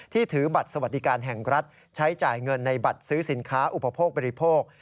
ถือบัตรสวัสดิการแห่งรัฐใช้จ่ายเงินในบัตรซื้อสินค้าอุปโภคบริโภค